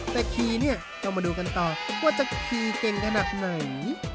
แต่ขี่เนี่ยต้องมาดูกันต่อว่าจะขี่เก่งขนาดไหน